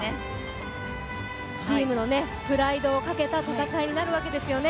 チームのプライドをかけた戦いになるわけですよね。